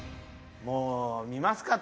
もう見ますか？